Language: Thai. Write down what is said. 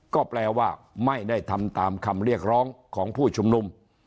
ก็แปลว่าไม่ได้ทำตามคำเรียกร้องของผู้ชุมนุม